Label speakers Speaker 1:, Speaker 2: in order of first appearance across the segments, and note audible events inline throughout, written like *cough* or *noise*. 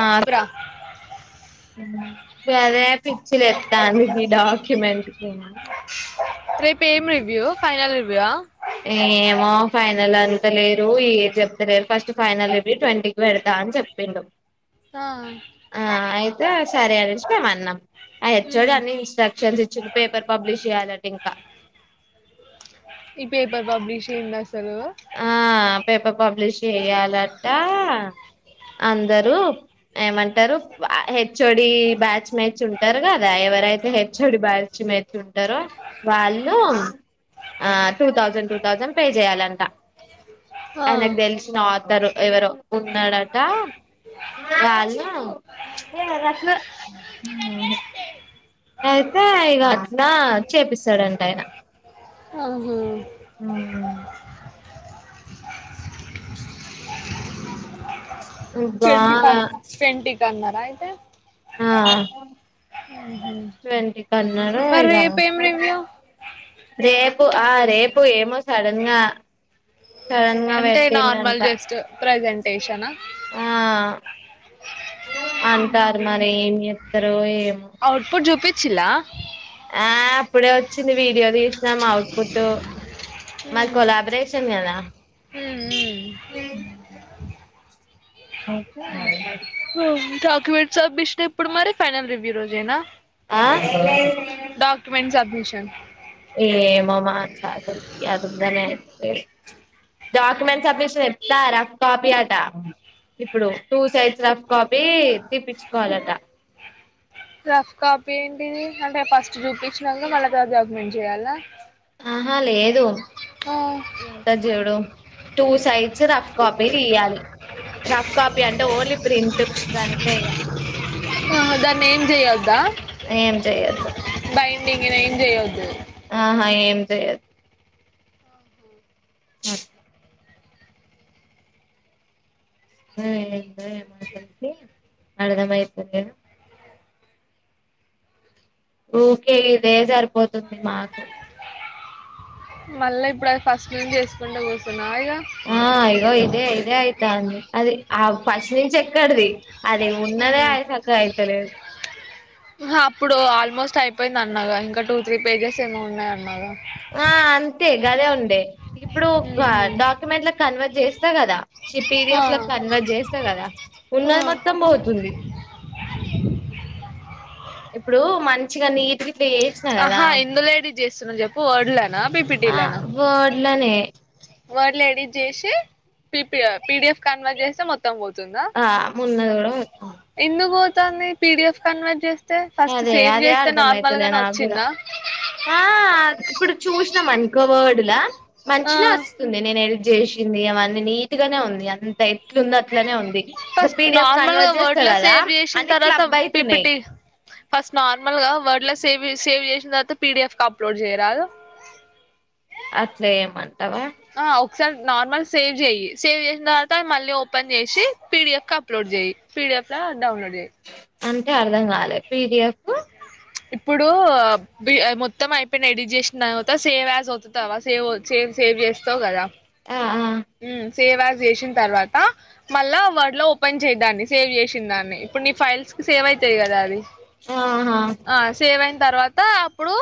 Speaker 1: Are
Speaker 2: చెప్పురా
Speaker 1: గదే పిచ్చిలేత్తాంది ఈ డాక్యూమెంట్కి ను
Speaker 2: రేపేం రివ్యూ ఫై
Speaker 1: ఏమో ఫైనల్ అంత లేరు ఏ జెప్తలేరు ఫస్ట్ ఫైనల్ రివ్యు ట్వంటీకి పెడతా అన్ చొప్పిండు
Speaker 2: ఆ
Speaker 1: ఆ అయితే సరే అనేసి మేమన్నాం ఆ హచ్చోడు
Speaker 2: మ్మ్.
Speaker 1: అన్ని ఇన్స్ట్రక్షన్స్ ఇచ్చింది పేపర్ పబ్లిష్ చెయ్యాలింటే ఇంకా
Speaker 2: ఈ పేపర్ పబ్లిషేంది అసలు
Speaker 1: ఆ పేపర్ పబ్లిష్ షేయ్యాలట అందరూ ఏమంటారు హెచ్ ఆడి బ్యాచ్ మ్యీచ్ ఉంటారు గదా ఎవరైతే హెచ్చోడి బ్యాచ్ మీడ్స్ ఉంటారో వాళ్ళు ఆ two thousand two thousand pay జేయాలంట ఆయనకు దెలిసిన ఆతరు ఎవరో ఉన్నాడట వాళ్ళు ఉహు అయితే ఇగ అట్నా చేపిస్తాడంట ఆయన ఊమ్
Speaker 2: ట్వంటి
Speaker 1: బాగా
Speaker 2: ఫస్ట్ ట్వంటీ కన్నారా అయితే
Speaker 1: ఆ ట్వంటీ కాన్నరు
Speaker 2: మరి
Speaker 1: ఇగ
Speaker 2: రేపు ఏం
Speaker 1: రేప్
Speaker 2: రివ్యూ
Speaker 1: రేపు ఆ రేపు ఏమో సడన్ గా సడన్ గా
Speaker 2: అంటే
Speaker 1: పెట్టిండంట
Speaker 2: నార్మల్ జస్ట్ ప్రజెంటేషన
Speaker 1: ఆ అంటారు మరి ఏం జెత్తరో ఏమ్
Speaker 2: అవుట్ పుట్ జూపిచిల్ల
Speaker 1: ఆ అప్పుడే వొచ్చింది వీడియో తీసినాం అఔట్పుట్ మది కొలాబ్రేరేషన్ గదా ఉమ్ ఒకే
Speaker 2: డాక్యుమెంట్స్ సబ్మిషన్ ఎప్పుడు మరి ఫైనల్ రివ్యూ రోజేనా
Speaker 1: ఆ
Speaker 2: డాక్యుమెంట్ సబ్మిషన్
Speaker 1: ఏం మామ *unintelligible* డాక్యుమెంట్స్ సబ్మిషన్ ఎఫ్తారా రఫ్ కాఫీ అంట ఇప్పుడు టూ సైడ్స్ రఫ్ కాఫీ తిప్పించుకోవాలట
Speaker 2: రఫ్ కాఫీ ఏంటిది అంటే ఫస్ట్ చూపించినక మల్ల తర్వాత డాక్యుమెంట్ చెయ్యాలా
Speaker 1: ఆహా లేదు ఇది ఉంటది చూడు టూ సైడ్స్ రఫ్ కాఫీ తీయాలి రఫ్ కాఫీ అంటే ఓన్లీ ప్రింట్ అంతే ఇగ
Speaker 2: ఆ కద్ దానేం చెయ్యొద్దా
Speaker 1: ఏం చెయ్యొద్దు
Speaker 2: ఏం చేయొద్దు
Speaker 1: ఆహా ఏం చెయద్ ఆ ఎ మాసకి అర్థమితది లేదు ఊరికే ఇదే సరిపోతుంది మాకు
Speaker 2: మళ్ళా ఇప్పుడు అది ఫస్ట్ నుంచి చేసుకుంట కూర్చ
Speaker 1: ఆ ఇగో ఇదే ఇదే అయితాంది అది ఆ ఫస్ట్ నుంచి ఎక్కడది అదే ఉన్నదే ఆయసకగా అయితలేదు
Speaker 2: ఆ అప్పుడు ఆల్మోస్ట్ అయిపోయింది అన్నవ్ గా ఇంకా టూ త్రీ పేజెస్ ఏమో ఉన్నాయి అన్నవ్ గా
Speaker 1: ఆ అంతే గదే ఉంది ఇప్పుడు ఆ
Speaker 2: ఉహు.
Speaker 1: డాక్యుమెంట్ల కన్వర్ట్ చేస్తా కదా చీ
Speaker 2: ఆ,
Speaker 1: పిడిఎఫ్ ల కన్వర్ట్ చేస్తా కదా
Speaker 2: ఆ.
Speaker 1: ఉన్నది మొత్తం పోతుంది *unintelligible* ఇప్పుడు మంచిగా నీటిగా
Speaker 2: ఆహా ఇందులేడ చేస్తున్నా చెప్పు ఓడ్లనా
Speaker 1: ఆ
Speaker 2: పిపిటీలనా
Speaker 1: వర్డ్లనే
Speaker 2: వర్డ్ ల ఎడిట్చేసి పి పి పిడిఎఫ్ కన్వర్ట్ చేసి మొత్తం మొత్తం పోతుందా
Speaker 1: ఆ ఉన్నది కూడా పోతాంది
Speaker 2: ఎందుకు పోతాంది పివిస్ కన్వర్ట్ చేస్త తే ఫస్ట్
Speaker 1: అదే
Speaker 2: సేవ్
Speaker 1: అదే
Speaker 2: చేస్తే నార్మల్
Speaker 1: అర్థమైతలే
Speaker 2: గానే
Speaker 1: నాకు కూడా
Speaker 2: వచ్చిందా
Speaker 1: ఆ ఇప్పుడు చూసినం అనుకో వర్డులా
Speaker 2: ఆ
Speaker 1: మంచిన వస్తుంది నేను ఎ చేసింది అవని నీట్ గానే ఉంది అంత ఎట్లు ఉంది అట్లనే ఉంది ఇక
Speaker 2: ఫస్ట్
Speaker 1: పీడిఎఫ్
Speaker 2: నార్మల్ గా
Speaker 1: కన్వర్ట్
Speaker 2: వర్డ్
Speaker 1: చేస్తా
Speaker 2: లో
Speaker 1: కదా
Speaker 2: సేవ్ చేసిన
Speaker 1: అని
Speaker 2: తర్వాత
Speaker 1: క్లబ్ అయితున్నాయి
Speaker 2: పిపిటి ఫస్ట్ నార్మల్ గా వర్డ్ లో సేవ్ సేవ్ చేసి దాని తర్వాత పిడిఎఫ్ అప్లోడ్ చేయరాదు
Speaker 1: అట్లే ఎమ్ అంటావా
Speaker 2: స నార్మల్ సేవ్ చేయి సేవ్ చేసిన తర్వాత మళ్ళీ ఓపెన్ చేసి పిడిఎఫ్ కి అప్లోడ్ చేయి చేస్తా డౌన్లోడ్ చేయి
Speaker 1: అంటే అర్ధం కాలే పిడిఎఫ్
Speaker 2: ఇప్పుడు మొత్తం అయిపోయిన ఎడిట్ చేసిన తర్వాత సేవ్ యాజ్ ఒత్తుతవ సేవ్ సేవ్ సేవ్ చేస్తావ్ కదా
Speaker 1: ఆ
Speaker 2: ఉమ్ సేవ్ యాజ్ చేసిన తర్వాతా మళ్ళా వర్డ్లో ఓపెన్ చేయేదాన్ని సేవ్ చేసిన దాన్ని ఇప్పుడు నీ ఫైల్స్ సేవ్ తాయి కదా అది
Speaker 1: ఆహా
Speaker 2: ఆ సేవ్ అయిన తర్వాత అప్పుడు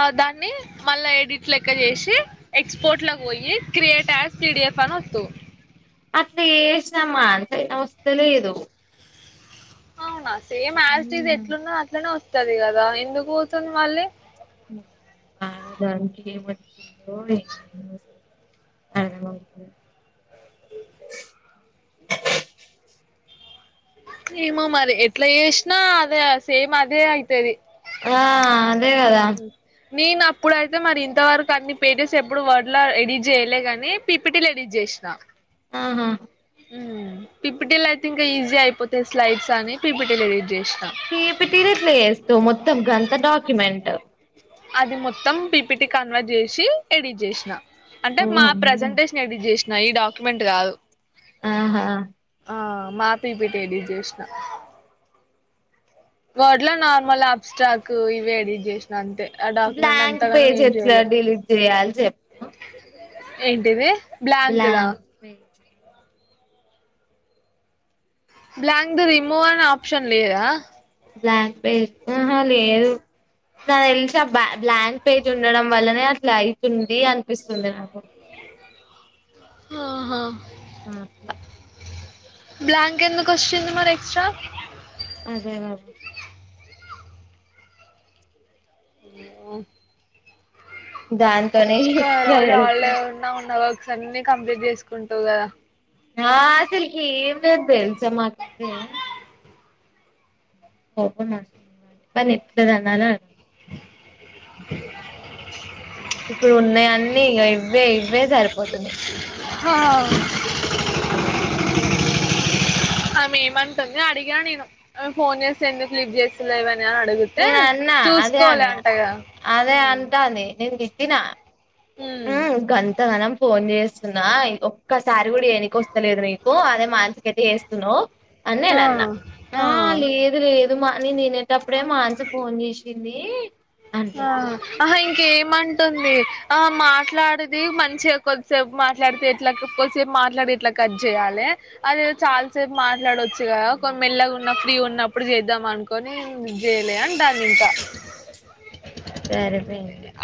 Speaker 2: ఆ దాన్ని మళ్ళా ఎడిట్ లెక్క చేసి ఎక్స్పోర్ట్ లో పోయి క్రియేట్ స్ పిడిఎఫ్ అనద్దు
Speaker 1: *unintelligible* తెలియదు
Speaker 2: అవునా సేమ్ యాస్టీజ్
Speaker 1: ఉమ్,
Speaker 2: ఎట్లున్న అట్లనే వస్తుది కదా ఎందుకు పోతుంది మళ్లీ
Speaker 1: ఆ దానికి ఏం వచ్చిందో ఏమో *unintelligible*
Speaker 2: ఏమో మరి ఎట్లా చేసినా అదే సేమ్ అదే అయితాది
Speaker 1: ఆ అదే కదా
Speaker 2: నేను అప్పుడు అయితే మరి ఇంతవరకు అన్ని పేజెస్ ఎప్పుడు వర్డ్ లో ఎడిట్ చేయలేగాని పీపిటీలు ఎడిట్ చేసి కృష్ణ
Speaker 1: ఆహా
Speaker 2: ఊ పిపిటీలు అయితే ఇంకా ఈజీ అయిపోతాయి స్లైడ్స్ అని పిపిటీలు ఎడిట్ చేసినా
Speaker 1: పీపీటీ లో ఎట్లా చేస్తవ్ మొత్తం గంత డాక్యుమెంట్
Speaker 2: అది మొత్తం పీపిటి కన్వర్ట్ చేసి ఎడిట్ చేసిన అంటే
Speaker 1: ఓ
Speaker 2: మా
Speaker 1: అమ్మో.
Speaker 2: ప్రజెంటేషన్ ఎడిట్ చేసినా ఈ డాక్యుమెంట్ కాదు
Speaker 1: ఆహా
Speaker 2: ఆ మా పిపిటి ఎడిట్ చేసినా వాడ్లా నార్మల్ అప్స్టాక్ ఇవి ఎడి చేసినా అంతే ఆ డాక్యుమెంట్
Speaker 1: బ్లాంక్
Speaker 2: అంతాగానం
Speaker 1: పేజ్
Speaker 2: ఏం
Speaker 1: ఎట్లా
Speaker 2: చెయలే
Speaker 1: డిలీట్ చేయాలి చెప్పు
Speaker 2: ఏంటిది
Speaker 1: blank page
Speaker 2: blank the remove అని ఆప్షన్ లేదా
Speaker 1: బ్లాంక్ పేజ్ ఆహా లేదు నా తెలిసి ఆ బ బ్లాంక్ పేజ్ ఉండడం వల్లనే అట్లా అయతుంది అనిపిస్తుంది నాకు
Speaker 2: ఆహా
Speaker 1: అహా
Speaker 2: బ్లాంక్ ఎందుకు వచ్చింది మరి ఎక్స్ట్రా
Speaker 1: అదే కదా
Speaker 2: *unintelligible*
Speaker 1: దాంతోనే
Speaker 2: ఒక్క
Speaker 1: ఎట్లా
Speaker 2: రోజు హాల్ డే
Speaker 1: తెలుసా
Speaker 2: ఉన్నా ఉన్న వర్క్స్ అన్ని కంప్లీట్ చేసుకుంటావ్ కదా
Speaker 1: ఆ ఆసలుకి *unintelligible* కోపం వస్తుంది నాకి దాన్ని ఎట్లా తన్నాలో అర్ధం కావట్లేదు ఇప్పుడు ఉన్నాయన్నీ ఇగా ఇవ్వే ఇవ్వే సరిపోతున్నాయి
Speaker 2: హా ఆమె ఏమంటుంది అడిగా నేను ఫోన్ చేస్తే ఎందుకు లిఫ్ట్ చేస్తలేవ్
Speaker 1: నేను అన్నా అదే అన్న
Speaker 2: అంటగా
Speaker 1: అదే అంటాంది నిను నా
Speaker 2: ఉమ్
Speaker 1: గంతగానం ఫోన్ చేస్తున్నా ఒక్కసారి కూడా ఏ వస్త లేదు నీకు అదే మానస కి అయితే చేస్తున్నావు అని
Speaker 2: ఆ
Speaker 1: నేను అన్నా ఆ లేదు లేదు మార్నింగ్ తినేటప్పుడే మానస ఫోన్ చేసింది అంటే
Speaker 2: ఆ ఆహా ఏమంటుంది ఆ మాట్లాడిది మంచిగా కొద్దిపు మాట్లాడితే ఎట్లా కొసేపు మాట్లాడి ఇట్లా కట్ చేయాలే అది చాలాసేపు మాట్లాడొచ్చు కదా కొ మెల్లగా ఉన్న ఫ్రీ ఉన్నప్పుడు చేద్దాం అనుకని చేయలే అంటంది ఇంకా
Speaker 1: సరే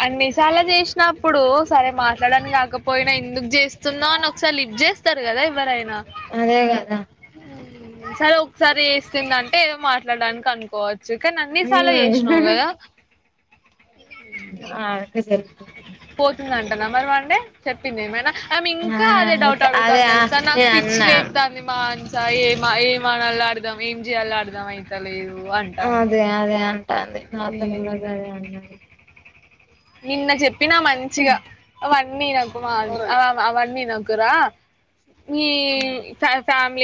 Speaker 2: అన్నేసి చాలా చేసినప్పుడు ఒక సరే మాట్లాడనికి కాకపోయినా ఎందుకు చేస్తుందో అని ఒకసారి లిఫ్ట్ చేస్తారు కదా ఎవరైనా
Speaker 1: అదే కదా
Speaker 2: సరే ఒకసారి చేస్తుందంటే ఏదో మాట్లాడడానికి అనుకోవచ్చు సుఖాన్ ఆన్ని సార్లు చేసినావ్ కదా
Speaker 1: ఆ అక్క జరుగుతుంది
Speaker 2: నెంబర్ వన్ డే చెప్పింది ఏమైనా మేము ఇంకా అదే డౌట్
Speaker 1: ఆ
Speaker 2: అడుగుతంది కానీ
Speaker 1: అదే
Speaker 2: అని తెలుసా నాకు
Speaker 1: నేను అన్నా
Speaker 2: పిచ్చిలెత్తంది మానస ఏం *unintelligible* అడదాం ఏం చేయాలో అర్దాం అయిత లేదు
Speaker 1: అదే అదే అంటంది నా తోనీ కూడా అదే అంటంది
Speaker 2: నిన్న చెప్పినా మంచిగా *unintelligible*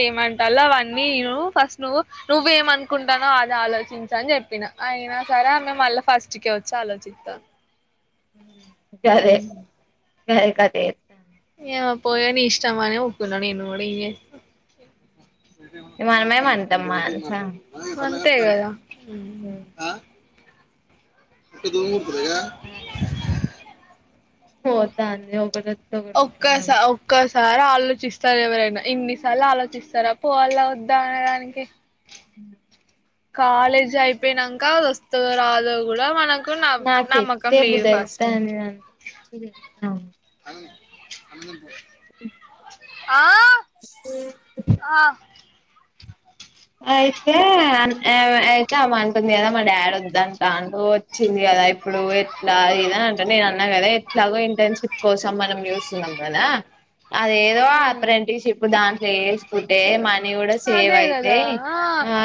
Speaker 2: ఏమంటలో అవన్నీ ఫస్ట్ నువ్వు నువ్వ ఏమనుకుంటానో అది ఆలోచించు అని చెప్పిన అయినా సరే ఆమె మళ్ళీ ఫస్ట్ కే వచ్చి ఆలోచిత్తంది
Speaker 1: గదే గద్ క తీత్ *unintelligible*
Speaker 2: ఏమో పోవే నీ ఇష్టమ్ అని ఊకున నేన్ గుడ ఇ ఎ
Speaker 1: మనమేం అంటాం మానస
Speaker 2: వంతే కదా దోమ్ కుడ్ *unintelligible*
Speaker 1: ఆ పోతంది ఒకటాత్
Speaker 2: ఒక్కస ఒక్కస్ సార ఆలోచిస్తర్ ఎవరైనా ఇన్నిసార్లు ఆలోచిస్తరా పోవళ వద్దా అనడానికి
Speaker 1: ఉ
Speaker 2: కాలేజ్ అయిపేయినంక అద్ వస్తదో రాదో కూడా మనక్ కు నబ్
Speaker 1: నాకు
Speaker 2: నమ్మకం
Speaker 1: ఎత్తే
Speaker 2: లేద్
Speaker 1: బుద్ధి
Speaker 2: ఫస్టు
Speaker 1: అయితాంది అంత పిచ్చి లేత్తాంది
Speaker 2: భగ్ వతి *unintelligible*
Speaker 1: అఓ *unintelligible* అయితే అన్ యావ అయితే అమా అంటుంది కదా మా డాడ్ వద్దంటాండు ఓచ్చింది ఇగ కదా ఇప్పుడు ఎట్లా ఇద్ అని అంటుంది నేను అన్నా కదా ఎట్లాగో ఇంటర్న్ షిప్ కోసం మనం చూస్తున్నాం కదా అదేదో
Speaker 2: హ్మ్
Speaker 1: అప్రెంటి షిప్ దాంట్లో ఎసుకుంటే మనీ కూడా సేవై
Speaker 2: గా ఆ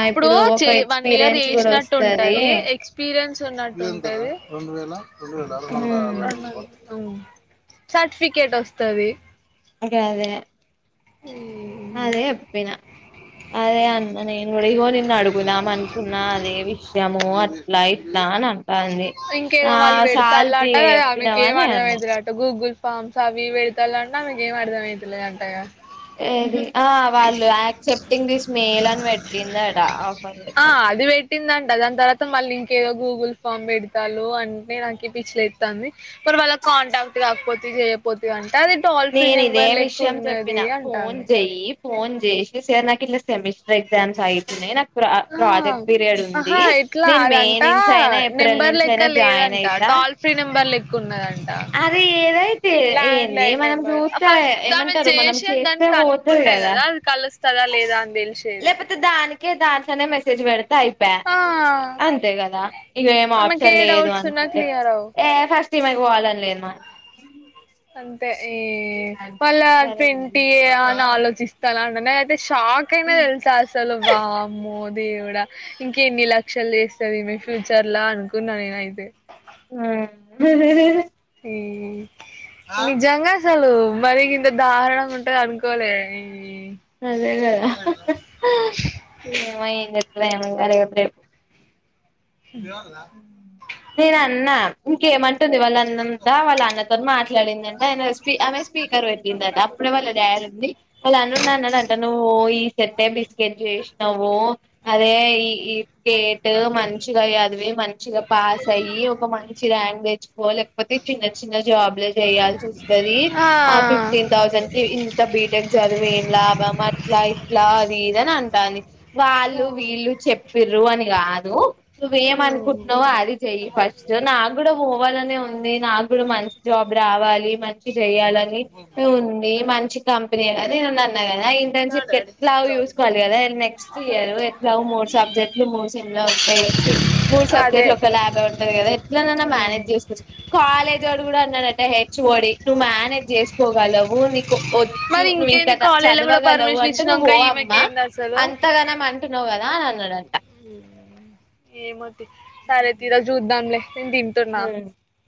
Speaker 2: ఇప్పుడు చే వన్ ఇయర్
Speaker 1: ఎక్స్పీరియన్స్
Speaker 2: జేష్
Speaker 1: కూడా
Speaker 2: నట్టు
Speaker 1: వస్తది
Speaker 2: ఉంటది ఎక్స్ పిరియన్స్ తున్నట్టు ఉంటది రొండు వేల రొండోందాల
Speaker 1: మ్మ్
Speaker 2: రొండోందల్ హ్మ్ సర్ట్ ఫికేటోస్తది
Speaker 1: గదే అదే చెప్పిన అదే అన్న నేను కూడా ఇగో నిన్ అడుగుదాం అనుకున్నా అదే విష్ యము అట్లా ఇట్లా అనన్
Speaker 2: ఇంకేదో వాళ్ళు పెడ్ తాళ్ లట
Speaker 1: ఇగ
Speaker 2: కదా ఆమెకి
Speaker 1: చెప్పినవా
Speaker 2: ఏం
Speaker 1: అని
Speaker 2: అర్థ
Speaker 1: అన్న
Speaker 2: ఐతేలేదట గూగుల్ పామ్స్ అవి ఇవ్ పెడతళ్ లంట ఆమెక్ ఏం అర్థ ఐతలేదంట గా
Speaker 1: ఏది ఆ వాళ్ళు యాక్సె సేప్టింగ్ దిస్ మేల్ అని పెట్టిందట ఆఫర్
Speaker 2: ఆ
Speaker 1: లెటర్ కి
Speaker 2: అది వేట్టిందంట దాన్ తరత్ తమ్ మళ్ళీ ఇంకేదో గూగుల్ ఫామ్ పెడ్ తాల్ అంటే నాకు పిచ్చిలేెతాంది మర్ వాళ్ళక్ కాంటాక్ట్ రాక్ పోతి జేయపోతి
Speaker 1: నేన్ ఇదే విషయం జెప్ పిన ఫోన్
Speaker 2: అంటాంది
Speaker 1: జేయ్యి ఫోన్ జేష్ సార్ నాకు ఇట్ల సెమిట్రూ ఎగ్ జామ్స్ అయితుంనయి నా ప్ర
Speaker 2: ఆ
Speaker 1: ప్రాజెక్ట్ పీరియడ్ ఉంది
Speaker 2: ఆహా ఇట్లా
Speaker 1: నేను మే
Speaker 2: అదంట
Speaker 1: నుంచి అయినా ఏప్రిల్ నుంచి అయినా జాయిన్ అయితా
Speaker 2: కాల్ ఫ్రీ నంబర్లే తా
Speaker 1: అది ఏదైతే
Speaker 2: ల్యాండ్
Speaker 1: ఏంది
Speaker 2: లైన్
Speaker 1: మనం
Speaker 2: నెంబర్
Speaker 1: చూస్తే
Speaker 2: ఫస్ట్ ఆమె
Speaker 1: ఏమంటారు మనం
Speaker 2: జేశే దాన్
Speaker 1: చేస్తే
Speaker 2: కన్ కుం
Speaker 1: పోతది
Speaker 2: ఉంటాయి కదా అద్ కలుస్తదా లేదాన్ దేల్ షేది
Speaker 1: అని కే దాంట్లోనే మెసేజ్ పెడితే అయిప్య
Speaker 2: ఆ
Speaker 1: అంతే కదా ఇగ ఏం
Speaker 2: ఆమెకి
Speaker 1: ఆప్షన్
Speaker 2: ఏ
Speaker 1: లేదు
Speaker 2: డౌట్స్ ఉన్నా
Speaker 1: అనుకుంటే
Speaker 2: క్లియర్ అవు
Speaker 1: ఏ ఫస్ట్ తీమైక్ పోవాలన్ లేన్ మాయ్
Speaker 2: అంతే ఈ వాళ్ళ
Speaker 1: సరే
Speaker 2: ట్వంటి యే అన్ ఆలోచిస్తల ఆ నేనైతే షాక్ అయినా తెల్ స అసలు వామ్మో దేవుడా ఇంకేన్ని లక్షలు జేస్తాదిమే ఫ్యూచర్ లా అనుకున్నా నేను అయితే
Speaker 1: హి హి
Speaker 2: ఈ ఈ నిజంగసలు మరి గింత దార్ ణంగా ఉంటదద్ అనుకోలే ఈ
Speaker 1: అదే కద అహ్ హాఁ హాఁ ఏమో ఎమ్ జెస్తదో ఏమో అర్ గర్ *unintelligible* రేప్
Speaker 2: కోలాబ్
Speaker 1: నేన్ అన్నా ఇంకేమంటుంది వాల్ నం నం తా వాళ్ళ అన్నతోన్ మాట్లాడ్ డిందంట ఆయన స్పీ ఆమే స్పీకర్ పెట్టిందిట అప్పుడే వాళ్ళ డాడీ ఉంది వాళ్ళు అన్నా ఉండి అనడంట నువ్వు ఈ సెట్టే బిస్కెట్ జెష్ నవ్వు అదే ఈ ఈ గేట్ మంచిగా అదివి మంచిగా పాస్ అయ్యి ఒక మంచి ర్యాంక్ తెచ్చుకో లేకపోతే చిన్న చిన్న జాబ్ లో చేయాల్సి వస్తద్ అది ఆ ఫిఫ్ టీన్ థౌసేండ్ కీ ఇంత బీటెక్ చదువు ఏం లాభం అట్లా ఇట్లా అది ఇదన్ అంటాంది వాళ్ళు వీళ్ళు చెప్పిరు అని గా కాదు నువ్వేమ అనుకుంటన్నావో అది చెయ్య ఫస్ట్ నా కూడా పోవాలని ఉంది నాకు కూడా మంచి జాబ్ రావాలి మంచి చెయాలని ఉంది మంచి కంపెనీ అని నే అన్నాగాని ఆ ఇంటర్న్షిప్ ఎట్లా చూసుకోవాలి కదా నెక్స్ట్ ఇయర్ ఎట్లా మూడు సబ్జెక్ట్లు మూడు సమ్ లో ఉంటాయి వచ్చి సబ్జెక్ట్
Speaker 2: అదే
Speaker 1: లో ఒక ల్యాబ్ ఉంటది కదా ఎట్లానా మేనేజ్ చేసుకోవచ్చు కాలేజ్ వాడు కూడా ఉన్నాడట హెచ్ ఓడి నువ్వు మేనేజ్ చేసుకోగలవు నీకు వచ్చు
Speaker 2: మరి
Speaker 1: నువ్వు ఇంక
Speaker 2: ఇంకేంది కాలేజీలో కూడా
Speaker 1: చదవగలవు
Speaker 2: పర్మిషన్
Speaker 1: అంటూ నువ్వు
Speaker 2: ఇచ్చినాక
Speaker 1: ఓ అమ్మ
Speaker 2: ఈమెకేంది అసలు
Speaker 1: అంతగాన అంట తునవు కదా అనాడట
Speaker 2: ఏం వద్దు సరే తీరా చూద్దాంలే నేను తింటున్నా
Speaker 1: హ్మ్